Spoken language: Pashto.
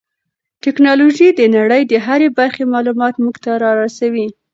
ټیکنالوژي د نړۍ د هرې برخې معلومات موږ ته را رسوي.